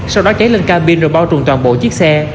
sau đó cháy lên cabin rồi bao trùm toàn bộ chiếc xe